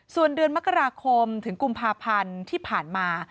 ส่วนเดือนมกราคมถึงกุมภาพันธ์ที่ผ่านมา